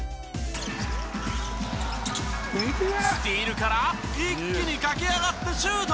スティールから一気に駆け上がってシュート！